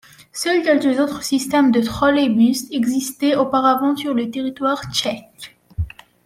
Seuls quelques autres systèmes de trolleybus existaient auparavant sur le territoire tchèque.